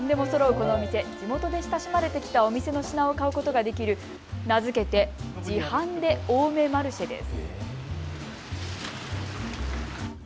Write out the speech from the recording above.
このお店、地元で親しまれてきたお店の品を買うことができる名付けて自販でおうめマルシェです。